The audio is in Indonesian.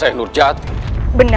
eropah pelawan tersegar itu